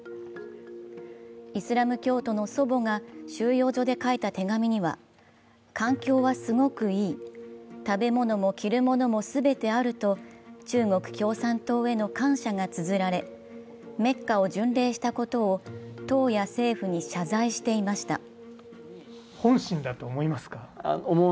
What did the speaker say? イスラム教徒の祖母が収容所で書いた手紙には環境はすごくいい、食べ物も着るものも全てあると、中国共産党への感謝がつづられメッカを巡礼したことを党や政府に謝罪していました。